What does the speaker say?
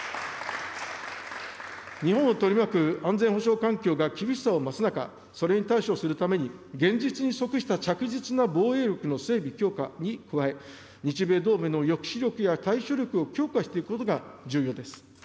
日本を取り巻く安全保障環境が厳しさを増す中、それに対処するために、現実に即した着実な防衛力の整備、強化に加え、日米同盟の抑止力や対処力を強化していくことが重要です。